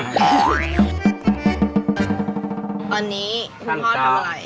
ตอนนี้คุณพ่อทำอะไร